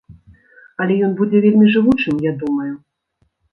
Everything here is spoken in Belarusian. Але ён будзе вельмі жывучым, я думаю.